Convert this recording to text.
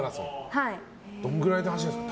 どのぐらいで走るんですか？